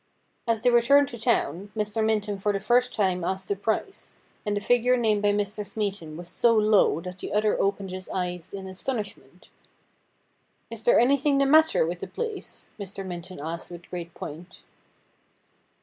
As they returned to town, Mr. Minton for the first time asked the price, and the figure named by Mr. Smeaton was so low that the other opened his eyes in astonishment. ' Is there anything the matter with the place ?' Mr. Minton asked with great point.